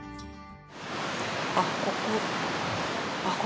あっここ。